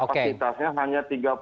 karena kapasitasnya hanya tiga puluh